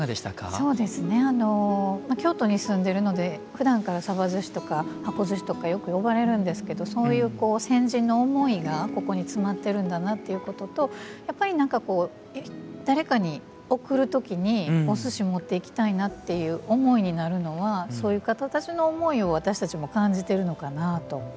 そうですねまあ京都に住んでるのでふだんからさばずしとか箱ずしとかよく呼ばれるんですけどそういう先人の思いがここに詰まってるんだなっていうこととやっぱり何かこう誰かに贈る時にお寿司持っていきたいなっていう思いになるのはそういう方たちの思いを私たちも感じてるのかなと。